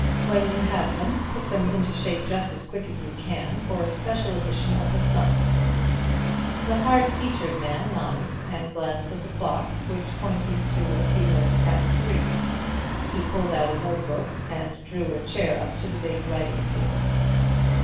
"When you have them, put them into shape just as quick you can for a special edition of the Sun." The hard featured man nodded and glanced at the clock, which pointed to a few minutes past three; he pulled out a notebook and drew a chair up to the big writing table.